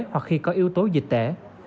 hoặc khi có yếu tố dịch tễ